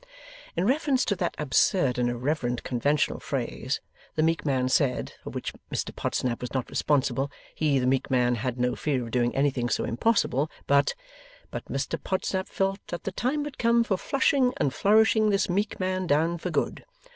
In reference to that absurd and irreverent conventional phrase, the meek man said, for which Mr Podsnap was not responsible, he the meek man had no fear of doing anything so impossible; but But Mr Podsnap felt that the time had come for flushing and flourishing this meek man down for good.